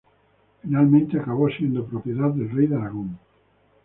Finalmente acabó siendo propiedad del Rey de Aragón.